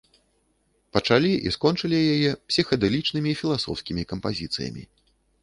Пачалі і скончылі яе псіхадэлічнымі філасофскімі кампазіцыямі.